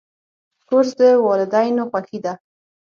کورس د والدینو خوښي ده.